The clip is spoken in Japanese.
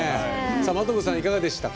真飛さん、いかがでしたか？